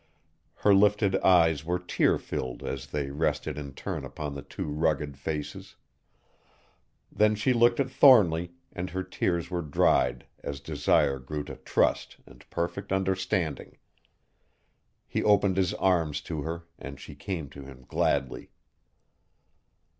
Her lifted eyes were tear filled as they rested in turn upon the two rugged faces. Then she looked at Thornly and her tears were dried as desire grew to trust and perfect understanding; he opened his arms to her and she came to him gladly.